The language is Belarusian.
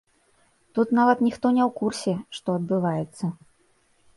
Тут нават ніхто не ў курсе, што адбываецца.